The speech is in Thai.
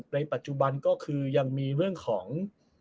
ในปัจจุบันก็คือยังมีเรื่องของ